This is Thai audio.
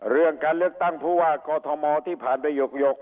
เรื่องการเลือกตั้งผู้ว่ากอทมที่ผ่านไปหยก